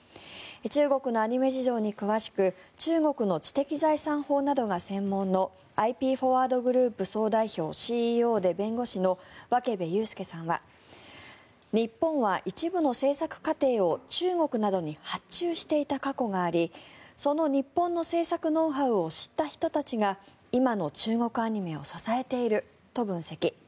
中国のアニメ事情に詳しく中国の知的財産法などが専門のＩＰＦＯＲＷＡＲＤグループ総代表・ＣＥＯで弁護士の分部悠介さんは日本は一部の制作過程を中国などに発注していた過去がありその日本の制作ノウハウを知った人たちが今の中国アニメを支えていると分析。